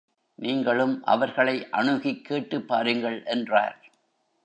நீங்களும் அவர்களை அணுகிக் கேட்டுப் பாருங்கள் என்றார்.